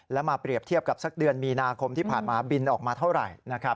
แล้วมาเปรียบเทียบกับสักเดือนมีนาคมที่ผ่านมาบินออกมาเท่าไหร่นะครับ